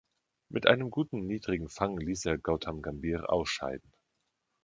Mit einem guten niedrigen Fang ließ er Gautam Gambhir ausscheiden.